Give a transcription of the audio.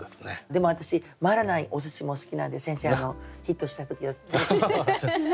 でも私回らないお寿司も好きなんで先生ヒットした時は連れてって下さい。